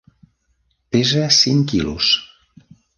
Pesa cinc quilos.